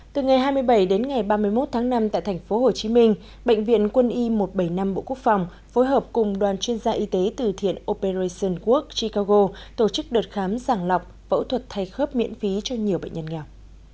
từ ngày hai mươi bảy đến ngày ba mươi một tháng năm tại thành phố hồ chí minh bệnh viện quân y một trăm bảy mươi năm bộ quốc phòng phối hợp cùng đoàn chuyên gia y tế từ thiện operation work chicago tổ chức đợt khám giảng lọc phẫu thuật thay khớp miễn phí cho nhiều bệnh nhân nghèo